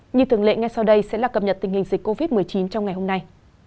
như thường lệ ngay sau đây sẽ là cập nhật tình hình dịch covid một mươi chín trong ngày hôm nay